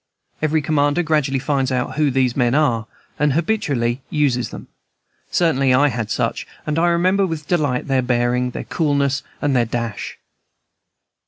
Every commander gradually finds out who these men are, and habitually uses them; certainly I had such, and I remember with delight their bearing, their coolness, and their dash.